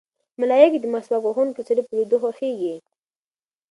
ملایکې د مسواک وهونکي سړي په لیدو خوښېږي.